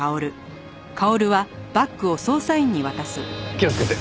気をつけて。